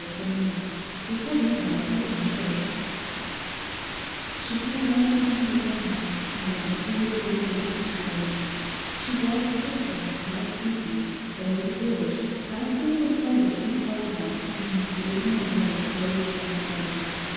I'll meet you by the gate.' CHAPTER TWENTY ONE She came out into the sunlight, and they went through the little gate together. She walked quickly, without speaking, over the bridge, past a little cottage whose hollyhocks leaned fading above its low flint wall.